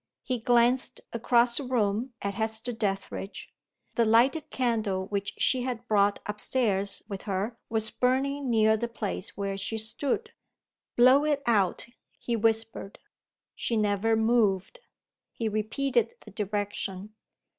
He glanced across the room at Hester Dethridge. The lighted candle which she had brought up stairs with her was burning near the place where she stood. "Blow it out," he whispered. She never moved. He repeated the direction.